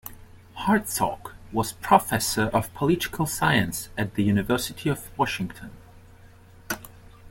Hartsock was professor of political science at the University of Washington.